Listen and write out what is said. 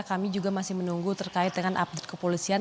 kami juga masih menunggu terkait dengan update kepolisian